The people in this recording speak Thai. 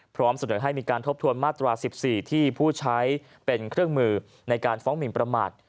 พร้อมเสนอให้มีการทบทวนมาตรา๑๔ที่ผู้ใช้เป็นเครื่องมือในการฟ้องหมินประมาท